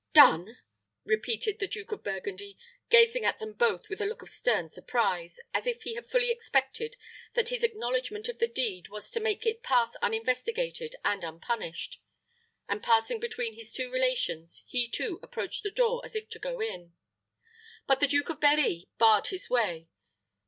"Done!" repeated the Duke of Burgundy, gazing at them both with a look of stern surprise, as if he had fully expected that his acknowledgment of the deed was to make it pass uninvestigated and unpunished; and passing between his two relations, he too approached the door as if to go in. But the Duke of Berri barred the way.